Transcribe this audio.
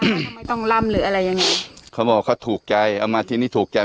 ทำไมต้องล่ำหรืออะไรยังไงเขาบอกเขาถูกใจเอามาที่นี่ถูกใจ